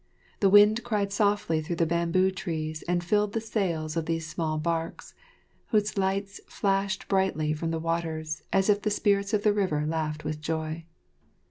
The wind cried softly through the bamboo trees and filled the sails of these small barks, whose lights flashed brightly from the waters as if the Spirits of the River laughed with joy.